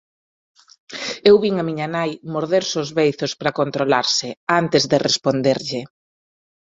Eu vin a miña nai morderse os beizos para controlarse, antes de responderlle: